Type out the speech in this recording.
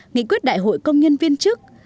nghị quyết đại hội công nhân viên chức